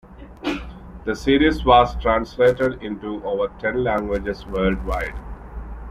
The series was translated into over ten languages worldwide.